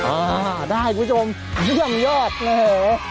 อ่าได้คุณผู้ชมเยี่ยมยอดเลย